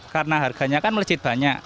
karena harganya kan melejit banyak